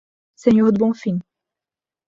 Senhor do Bonfim